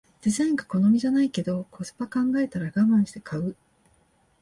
デザインが好みじゃないけどコスパ考えたらガマンして買う